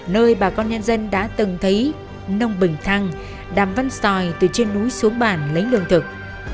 nơi bà con nhân dân đã từng thấy nông bình thăng đàm văn sòi từ trên núi xuống bản lấy lương thực